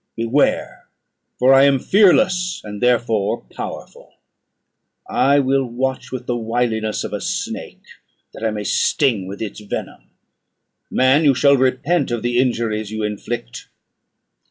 Beware; for I am fearless, and therefore powerful. I will watch with the wiliness of a snake, that I may sting with its venom. Man, you shall repent of the injuries you inflict."